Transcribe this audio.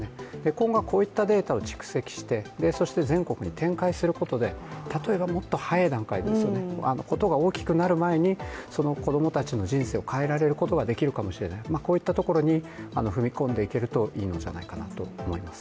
今後はこういったデータを蓄積してそして全国に展開することで例えばもっと早い段階で事が大きくなる前に、その子供たちの人生を変えられることができるかもしれない、こういったところに踏み込んでいけるといいのではないかなと思います。